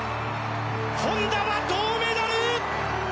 本多は銅メダル！